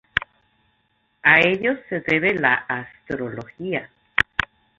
A ellos se debe la "astrología".